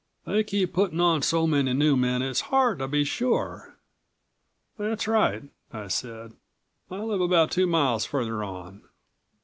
They keep putting on so many new men it's hard to be sure." "That's right," I said. "I live about two miles further on."